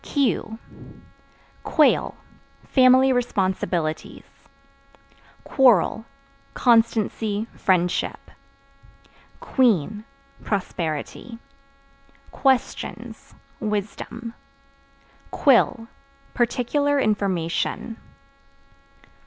Q Quail Family responsibilities. Quarrel Constancy, friendship. Queen Prosperity. Questions Wisdom. Quill Particular information.